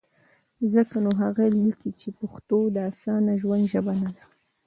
ځکه نو هغه لیکي، چې پښتو د اسانه ژوند ژبه نه ده؛